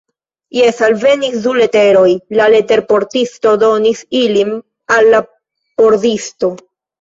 Jes, alvenis du leteroj, la leterportisto donis ilin al la pordisto.